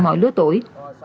mọi lứa tuổi